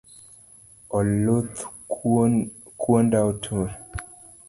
Oluth kuonda otur